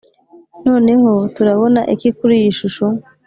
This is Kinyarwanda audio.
noneho turabona iki kuri iyi shusho?.